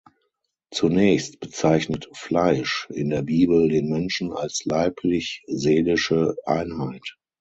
Zunächst bezeichnet "Fleisch" in der Bibel den Menschen als leiblich-seelische Einheit.